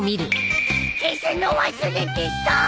消すの忘れてた！